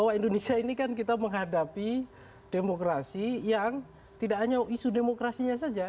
karena indonesia ini kan kita menghadapi demokrasi yang tidak hanya isu demokrasinya saja